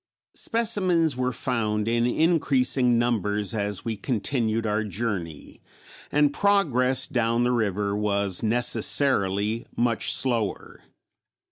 Specimens were found in increasing numbers as we continued our journey, and progress down the river was necessarily much slower.